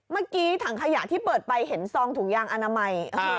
เมื่อกี้ถังขยะที่เปิดไปเห็นซองถุงยางอนามัย